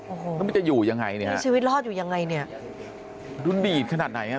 โอ้โหชีวิตรอดอยู่อย่างไรเนี่ยดูดีดขนาดไหนฮะ